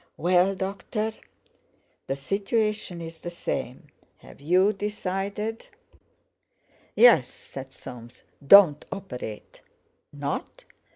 "Well, doctor?" "The situation's the same. Have you decided?" "Yes," said Soames; "don't operate!" "Not?